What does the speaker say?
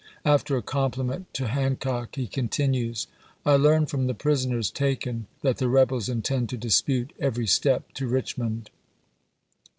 After a compliment to Hancock he continues, "I learn from the prisoners taken that the rebels intend to dispute every step to Richmond."